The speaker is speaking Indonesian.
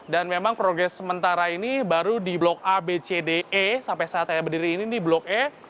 dan memang progres sementara ini baru di blok a b c d e sampai saat saya berdiri ini di blok e